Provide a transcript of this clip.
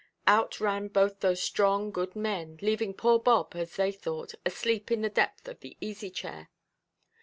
Out ran both those strong good men, leaving poor Bob (as they thought) asleep in the depth of the easy–chair.